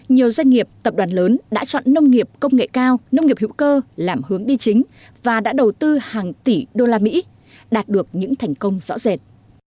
nhiều doanh nghiệp tập đoàn lớn đã chọn nông nghiệp công nghệ cao nông nghiệp hữu cơ làm hướng đi chính và đã đầu tư hàng tỷ usd đạt được những thành công rõ rệt